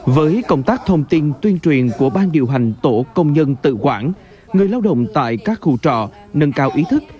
với công tác thông tin tuyên truyền của ban điều hành tổ công nhân tự quản người lao động tại các khu trọ nâng cao ý thức